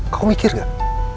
kamu mikir gak